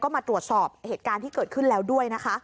มาตรวจสอบเหตุการณ์ที่เกิดขึ้นแล้วด้วยนะคะ